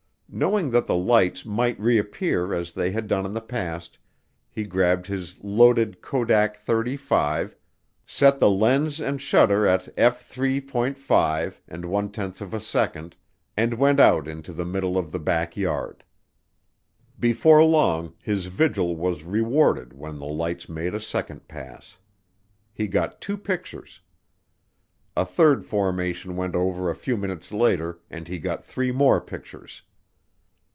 Knowing that the lights might reappear as they had done in the past, he grabbed his loaded Kodak 35, set the lens and shutter at f 3.5 and one tenth of a second, and went out into the middle of the back yard. Before long his vigil was rewarded when the lights made a second pass. He got two pictures. A third formation went over a few minutes later and he got three more pictures.